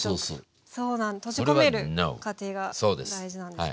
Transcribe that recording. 閉じ込める過程が大事なんですね。